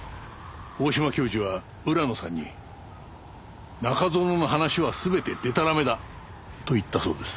大島教授は浦野さんに「中園の話は全てでたらめだ」と言ったそうです。